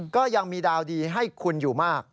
ก็ยังมีดาวดีให้คุณอยู่มาก